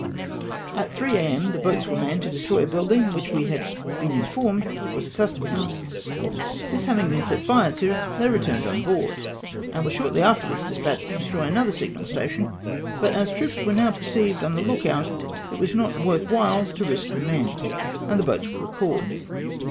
At 3 a.m. the boats were manned to destroy a building which we had been informed was a custom house. This havino; been set fire to, they returned on board, and were 272 DESTEOY A SIGNAL STATION. sliortly afterwards despatched to destroy another signal station ; but as troops were now perceived on the look out, it was not worth ^vliile to risk the men, and the boats were recaUed.